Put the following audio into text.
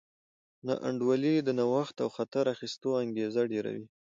ناانډولي د نوښت او خطر اخیستلو انګېزه ډېروي.